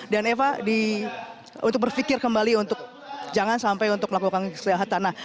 dan eva untuk berpikir kembali jangan sampai untuk melakukan keselilhatan